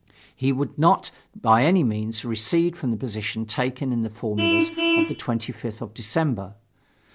He would not by any means recede from the position taken in the formulas of the 25th of December.